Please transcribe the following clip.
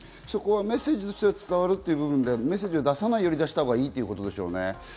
メッセージとしては伝わるという部分で、出さないより出したほうがいいということでしょうね。